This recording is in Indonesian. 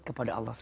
kepada allah swt